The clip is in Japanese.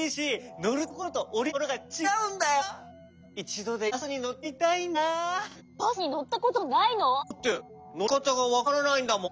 ゴールドバスにのったことないの？だってのりかたがわからないんだもん。